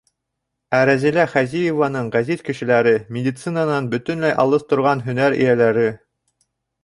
Ә Рәзилә Хәзиеваның ғәзиз кешеләре — медицинанан бөтөнләй алыҫ торған һөнәр эйәләре.